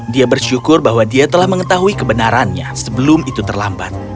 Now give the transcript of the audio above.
dia bersyukur bahwa dia telah mengetahui kebenarannya sebelum itu terlambat